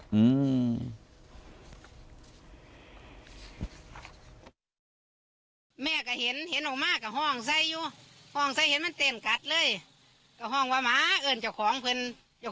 คนอีกก็เอามือพักออกมากับกัดมื้อเอกกัดหนีเลยกัดมื้อของผู้ตาย